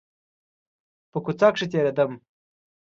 په کوڅه کښې تېرېدم .